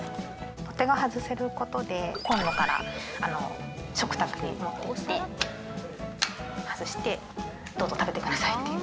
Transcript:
取っ手が外せる事でコンロから食卓に持っていって外して「どうぞ食べてください」っていう。